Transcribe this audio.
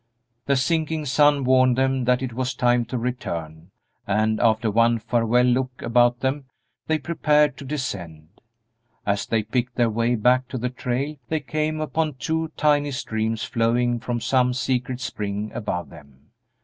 The sinking sun warned them that it was time to return, and, after one farewell look about them, they prepared to descend. As they picked their way back to the trail they came upon two tiny streams flowing from some secret spring above them.